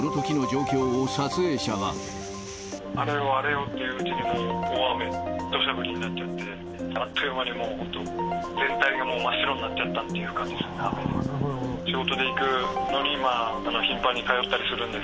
あれよあれよといううちに、もう大雨、どしゃ降りになっちゃって、あっという間に本当、全体がもう、真っ白になっちゃったっていう雨で。